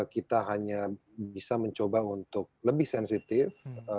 kita hanya bisa mencoba untuk lebih sensitif